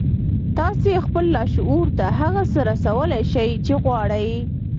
تاسې خپل لاشعور ته هغه څه رسولای شئ چې غواړئ